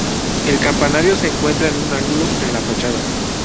El campanario se encuentra en un ángulo en la fachada.